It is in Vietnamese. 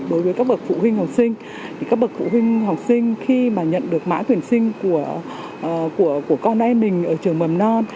đối với các bậc phụ huynh học sinh thì các bậc phụ huynh học sinh khi mà nhận được mã tuyển sinh của con em mình ở trường mầm non